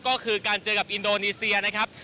ก็คือการเจอกับอินโดนีเซียนะครับ